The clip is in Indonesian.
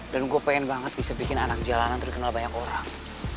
dan gue pengen banget bisa bikin anak jalanan terkenal banyak orang